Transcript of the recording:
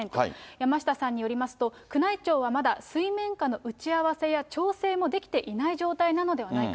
山下さんによりますと、宮内庁はまだ水面下の打ち合わせや調整もできていない状態なのではないか。